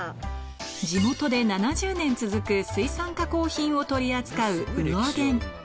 地元で７０年続く水産加工品を取り扱う魚源